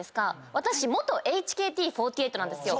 私元「ＨＫＴ４８」なんですよ。